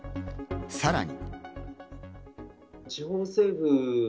さらに。